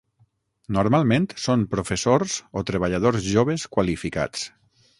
Normalment són professors o treballadors joves qualificats.